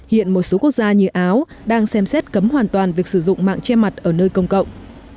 hiện một số quốc gia như áo đang xem xét cấm hoàn toàn việc sử dụng mạng che mặt ở nơi công cộng